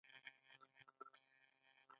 غاښ مو خوځیږي؟